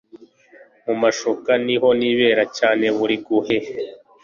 mumashuka niho nibera cyane buri guhe